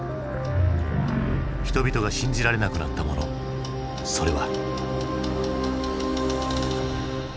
人々が信じられなくなったものそれは。